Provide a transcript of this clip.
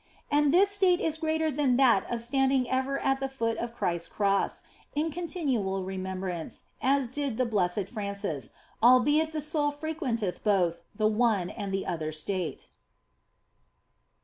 And this state is greater than that of standing ever at the foot of Christ s Cross, in continual remembrance, as did the Blessed Francis, albeit the soul frequenteth both the one and the other state.